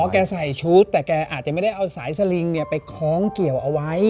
แกใส่ชุดแต่แกอาจจะไม่ได้เอาสายสลิงไปคล้องเกี่ยวเอาไว้